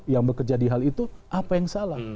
yang bekerja di hal itu apa yang salah